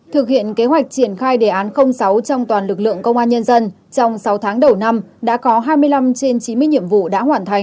thực hiện kế hoạch triển khai đề án sáu trong toàn lực lượng công an nhân dân trong sáu tháng đầu năm đã có hai mươi năm trên chín mươi nhiệm vụ đã hoàn thành